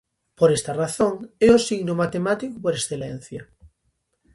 Por esta razón, é o signo matemático por excelencia.